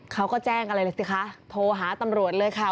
เขาก็แจ้งอะไรเลยสิคะโทรหาตำรวจเลยค่ะ